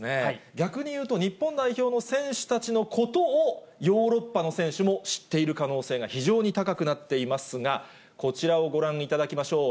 逆にいうと、日本代表の選手たちのことをヨーロッパの選手も知っている可能性が非常に高くなっていますが、こちらをご覧いただきましょう。